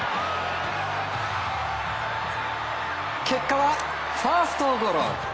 結果はファーストゴロ。